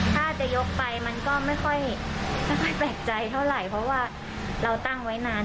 ถ้าจะยกไปมันก็ไม่ค่อยแปลกใจเท่าไหร่เพราะว่าเราตั้งไว้นาน